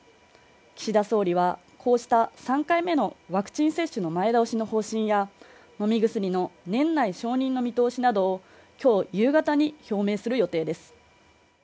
岸田総理はこうした３回目のワクチン接種の前倒しの方針や飲み薬の年内承認の見通しなどをきょう夕方に表明する予定です